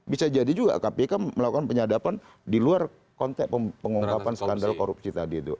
bisa jadi juga kpk melakukan penyadapan di luar konteks pengungkapan skandal korupsi tadi itu